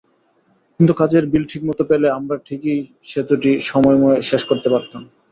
কিন্তু কাজের বিল ঠিকমতো পেলে আমরাই সেতুটি সঠিক সময়ে শেষ করতে পারতাম।